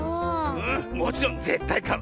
うんもちろんぜったいかう。